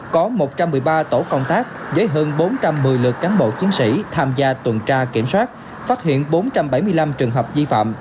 có một trăm một mươi ba tổ công tác với hơn bốn trăm một mươi lượt cán bộ chiến sĩ tham gia tuần tra kiểm soát phát hiện bốn trăm bảy mươi năm trường hợp di phạm